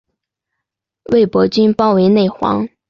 魏博军包围内黄。